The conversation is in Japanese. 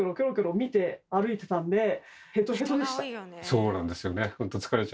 そうなんですよね